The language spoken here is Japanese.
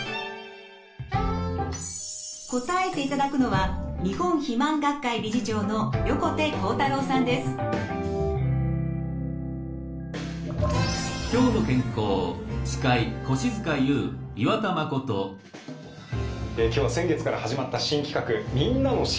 答えていただくのは今日は先月から始まった新企画みんなの「知りたい！」です。